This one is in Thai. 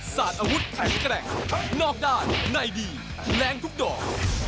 สาดอาวุธแข็งแกร่งนอกด้านในดีแรงทุกดอก